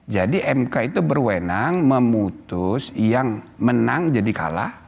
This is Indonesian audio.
jadi mk itu berwenang memutus yang menang jadi kalah